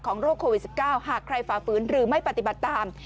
โรคโควิด๑๙หากใครฝ่าฝืนหรือไม่ปฏิบัติตาม